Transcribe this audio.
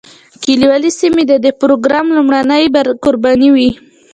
کلیوالي سیمې د دې پروګرام لومړنۍ قربانۍ وې.